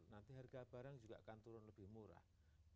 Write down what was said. nanti harga barang juga akan turun lebih murah